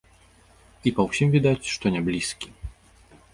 І па ўсім відаць, што няблізкі.